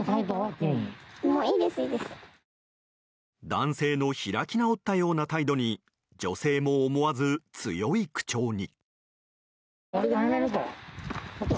男性の開き直ったような態度に女性も思わず強い口調に。